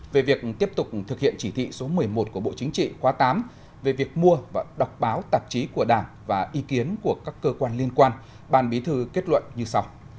về việc tiếp tục thực hiện chỉ thị số một mươi một của bộ chính trị khóa tám về việc mua và đọc báo tạp chí của đảng và ý kiến của các cơ quan liên quan ban bí thư kết luận như sau